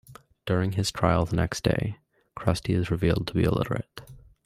During his trial the next day, Krusty is revealed to be illiterate.